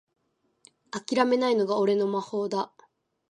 あきらめないのが俺の魔法だ